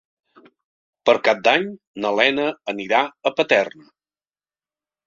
Per Cap d'Any na Lena anirà a Paterna.